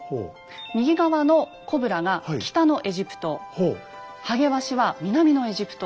右側のコブラが北のエジプトハゲワシは南のエジプト。